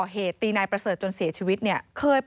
ตีนายเตรียมโดรนย์ประเสร็จจนเสียชีวิตเนี่ย